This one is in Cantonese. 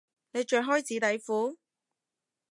你着開紙底褲？